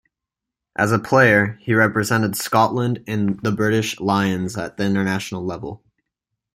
As a player, he represented Scotland and the British Lions at international level.